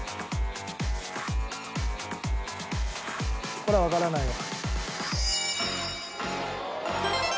これはわからないわ。